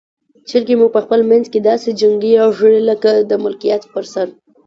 چرګې مو په خپل منځ کې داسې جنګیږي لکه د ملکیت پر سر.